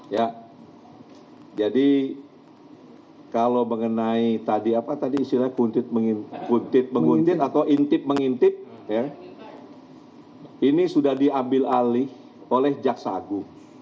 ya jadi kalau mengenai tadi apa tadi istilahnya kuntit menguntit atau intip mengintip ini sudah diambil alih oleh jaksa agung